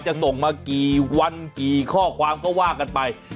จะส่งมากี่วันกี่ข้อความก็ว่ากันไป